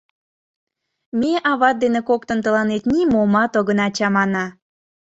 Ме ават дене коктын тыланет нимомат огына чамане».